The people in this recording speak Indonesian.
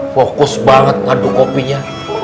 fokus banget ngaduk kopinya